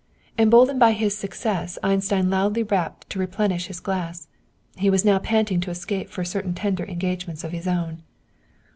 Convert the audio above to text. Emboldened by his success, Einstein loudly rapped to replenish his glass. He was now panting to escape for certain tender engagements of his own.